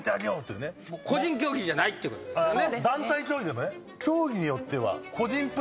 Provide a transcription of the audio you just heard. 個人競技じゃないっていうことですよね。